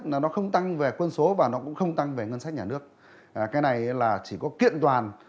là nó không tăng về quân số và nó cũng không tăng về ngân sách nhà nước cái này là chỉ có kiện toàn